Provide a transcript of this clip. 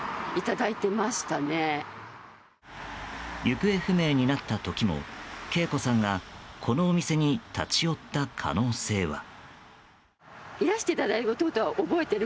行方不明になった時も敬子さんが、このお店に立ち寄った可能性は？